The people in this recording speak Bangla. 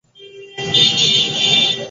আমরা জোগাড় করে রেখেছি।